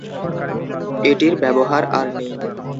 এটির ব্যবহার আর নেই।